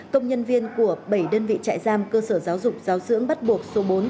công nhân viên của bảy đơn vị trại giam cơ sở giáo dục giáo dưỡng bắt buộc số bốn